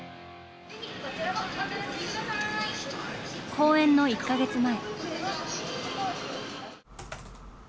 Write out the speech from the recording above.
公演の１か月前。